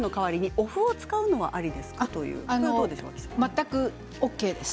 全くＯＫです。